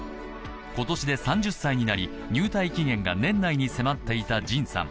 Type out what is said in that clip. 今年で３０歳になり、入隊期限が年内に迫っていたＪＩＮさん。